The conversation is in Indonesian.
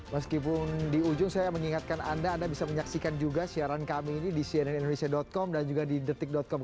mas kipung di ujung saya mengingatkan anda bisa menyaksikan juga siaran kami ini di cnn indonesia com dan juga di detik com